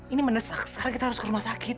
ini mendesak sekarang kita harus ke rumah sakit